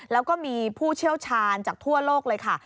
แล้วก็มีผู้เชี่ยวชาญจากทั่วโลกเลยค่ะ